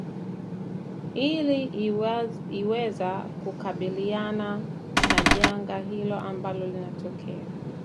ili iweza kukambiliana na janga hilo ambalo linatokea